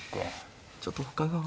ちょっとほかが。